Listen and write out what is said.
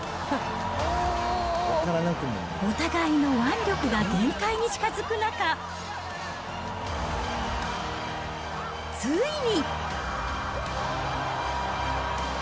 お互いの腕力が限界に近づく中、ついに。